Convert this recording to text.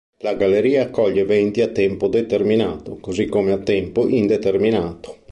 La galleria accoglie eventi a tempo determinato, così come a tempo indeterminato.